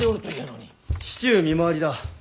市中見回りだ。